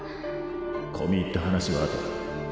込み入った話はあとだ。